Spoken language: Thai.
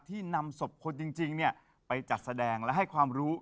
นำศพคนจริงไปจัดแสดงและให้ความรู้